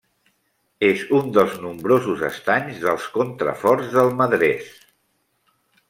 És un dels nombrosos estanys dels contraforts del Madres.